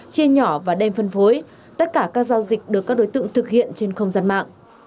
chia nhỏ và đem phân phối tất cả các giao dịch được các đối tượng thực hiện trên không gian mạng